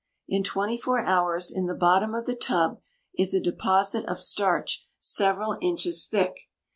In twenty four hours in the bottom of the tub is a deposit of starch several inches thick.